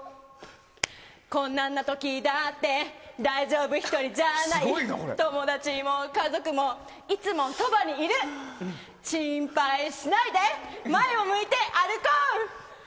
困難な時だって大丈夫、ひとりじゃない友達も家族もいつもそばにいる心配しないで前を向いて歩こう！